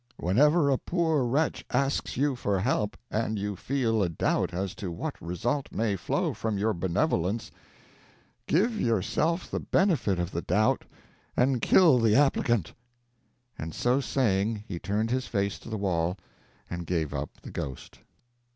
Whenever a poor wretch asks you for help, and you feel a doubt as to what result may flow from your benevolence, give yourself the benefit of the doubt and kill the applicant." And so saying he turned his face to the wall and gave up the ghost.